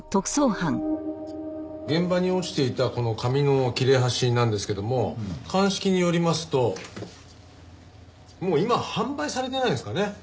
現場に落ちていたこの紙の切れ端なんですけども鑑識によりますともう今は販売されてないんですかね